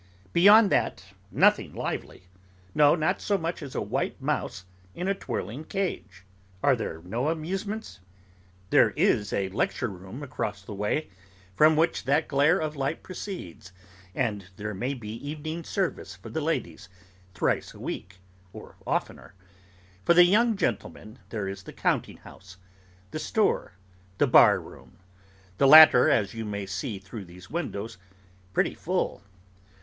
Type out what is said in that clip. Beyond that, nothing lively; no, not so much as a white mouse in a twirling cage. Are there no amusements? Yes. There is a lecture room across the way, from which that glare of light proceeds, and there may be evening service for the ladies thrice a week, or oftener. For the young gentlemen, there is the counting house, the store, the bar room: the latter, as you may see through these windows, pretty full.